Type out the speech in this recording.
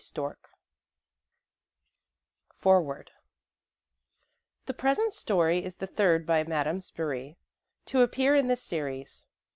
STORK 1921 FOREWORD The present story is the third by Madame Spyri to appear in this series.